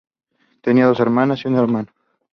Tenía dos hermanas y un hermano.